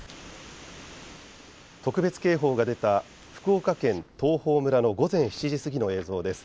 特別警報が出た福岡県東峰村の午前７時過ぎの映像です。